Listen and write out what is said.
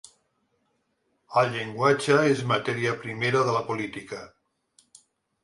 El llenguatge és matèria primera de la política.